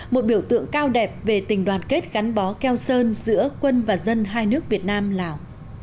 một biểu tượng cao đẹp về tình đoàn kết gắn bó keo sơn giữa quân và dân hai nước việt nam lào